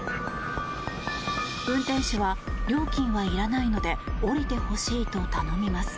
運転手は料金はいらないので降りてほしいと頼みます。